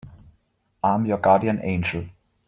I'm your guardian angel.